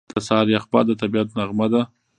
• د سهار یخ باد د طبیعت نغمه ده.